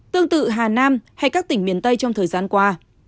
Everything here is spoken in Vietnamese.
tương tự hà nam hay các tỉnh miền tây trong thời gian qua